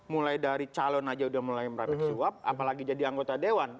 mulai dari calon aja udah mulai merapik suap apalagi jadi anggota dewan